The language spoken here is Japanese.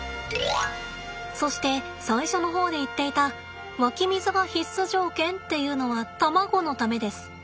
そして最初の方で言っていた湧き水が必須条件っていうのは卵のためです。